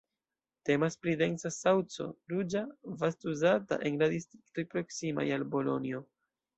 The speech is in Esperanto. Temas pri densa saŭco, ruĝa, vaste uzata en la distriktoj proksimaj al Bolonjo.